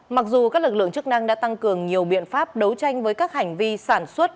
mặc dù các lực lượng chức năng đã tăng cường nhiều biện pháp đấu tranh với các hành vi sản xuất